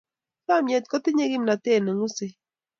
Chomnyet kotinyei kimnatet ne ng'usei.